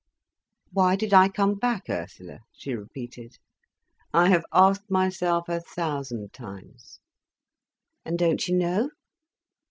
"Why did I come back, Ursula?" she repeated. "I have asked myself a thousand times." "And don't you know?"